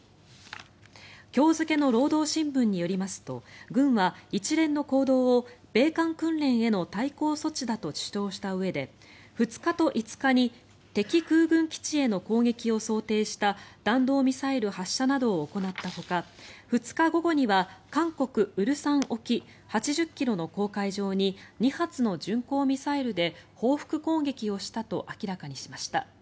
今日付の労働新聞によりますと軍は一連の行動を米韓訓練への対抗措置だと主張したうえで２日と５日に敵空軍基地への攻撃を想定した弾道ミサイル発射などを行ったほか２日午後には韓国・蔚山沖８０ｋｍの公海上に２発の巡航ミサイルで報復攻撃をしたと明らかにしました。